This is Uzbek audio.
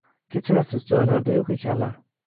Kechirasiz, joylarida yo’q ekanlar